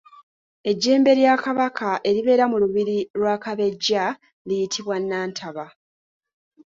Ejjembe lya Kabaka eribeera mu Lubiri lwa Kabejja liyitibwa Nantaba.